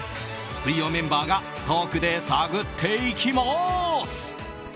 水曜メンバーがトークで探っていきます！